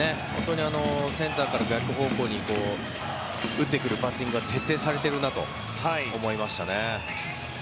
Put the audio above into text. センターから逆方向に打ってくるバッティングが徹底されているなと思いました。